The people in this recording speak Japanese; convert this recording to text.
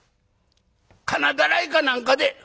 金だらいか何かで」。